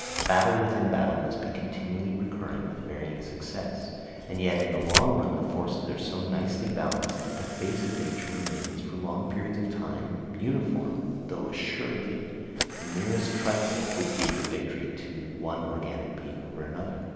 Battle within battle must be continually recurring with varying success; and yet in the long run the forces are so nicely balanced that the face of nature remains for long periods of time uniform, though assuredly the merest trifle would give the victory to one organic being over another.